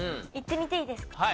いってみていいですか？